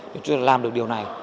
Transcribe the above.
điều trước là làm được điều này